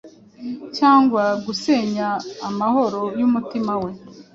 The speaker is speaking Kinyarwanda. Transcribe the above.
cyangwa gusenya amahoro y’umutima we.